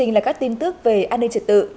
chương trình là các tin tức về an ninh trật tự